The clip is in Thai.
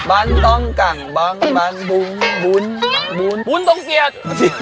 บุ๋นต้องเสียด